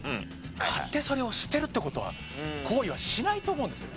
買ってそれを捨てるって事は行為はしないと思うんですよね。